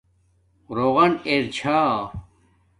روغن ارنا چھا